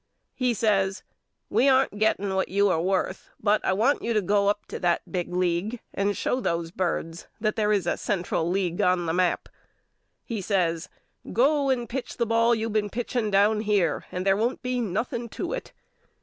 He says We aren't getting what you are worth but I want you to go up to that big league and show those birds that there is a Central League 9 10 YOU KNOW ME AL on the map. He says Go and pitch the ball you been pitching down here and there won't be noth ing to it.